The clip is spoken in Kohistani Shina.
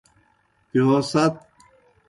بہیو ست۔